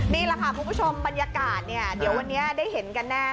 นี่แหละค่ะคุณผู้ชมบรรยากาศเนี่ยเดี๋ยววันนี้ได้เห็นกันแน่